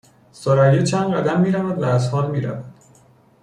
ثریا چند قدم میرود و از حال میرود